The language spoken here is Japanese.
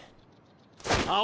あ。